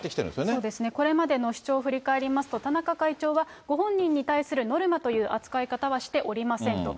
そうですね、これまでの主張を振り返りますと、田中会長は、ご本人に対するノルマという扱い方はしておりませんと。